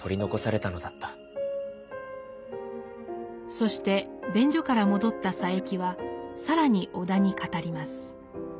そして便所から戻った佐柄木は更に尾田に語ります。